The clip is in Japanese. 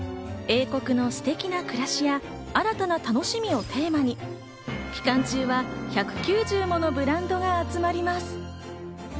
英国の「ステキな暮らし」や「新たな楽しみ」をテーマに、期間中は１９０ものブランドが集まります。